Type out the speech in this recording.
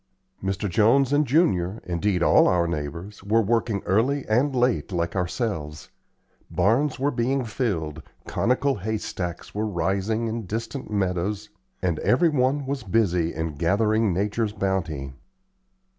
Mr. Jones and Junior, indeed all our neighbors, were working early and late, like ourselves. Barns were being filled, conical hay stacks were rising in distant meadows, and every one was busy in gathering nature's bounty.